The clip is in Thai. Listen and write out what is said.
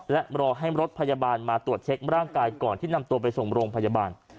และรอให้รถพยาบาลมาตรวจเช็คร่างกายก่อนที่นำตัวไปส่งโรงพยาบาล